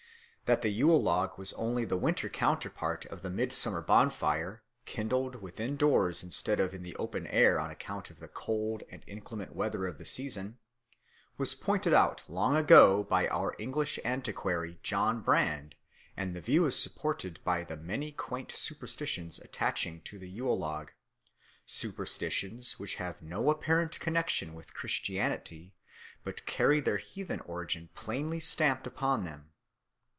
That the Yule log was only the winter counterpart of the midsummer bonfire, kindled within doors instead of in the open air on account of the cold and inclement weather of the season, was pointed out long ago by our English antiquary John Brand; and the view is supported by the many quaint superstitions attaching to the Yule log, superstitions which have no apparent connexion with Christianity but carry their heathen origin plainly stamped upon them.